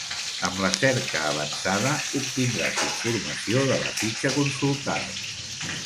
Amb la cerca avançada, obtindràs informació de la fitxa consultada.